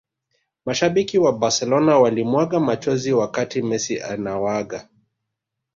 Mashabiki wa barcelona walimwaga machozi wakati messi anawaaga